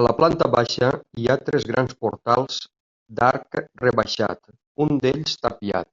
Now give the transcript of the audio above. A la planta baixa hi ha tres grans portals d'arc rebaixat, un d'ells tapiat.